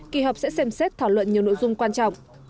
kỳ họp sẽ xem xét thảo luận nhiều nội dung quan trọng